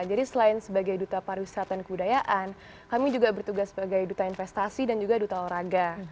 jadi selain sebagai duta pariwisata dan kebudayaan kami juga bertugas sebagai duta investasi dan juga duta olahraga